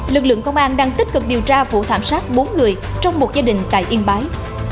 lực lượng công an đang tích cực điều tra vụ thảm sát bốn người trong một gia đình tại yên bái